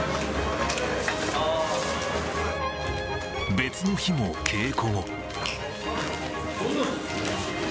別の日も稽古後。